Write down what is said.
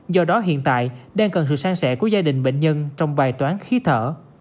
do đó hiện tại đang cần sự sang sẻ của gia đình bệnh nhân trong bài toán khí thở